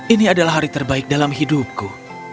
ini adalah hari terbaik dalam hidupku